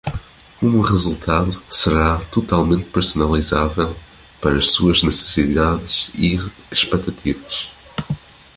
Como resultado, será totalmente personalizável para suas necessidades e expectativas.